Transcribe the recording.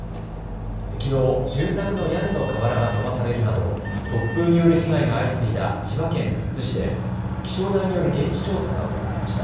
きのう住宅の屋根の瓦が飛ばされるなど突風による被害が相次いだ千葉県富津市で気象台による現地調査が行われました。